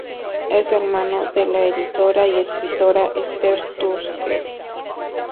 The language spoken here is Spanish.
Es hermano de la editora y escritora Esther Tusquets.